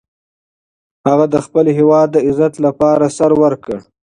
هغه د خپل هیواد د عزت لپاره سر ورکړ.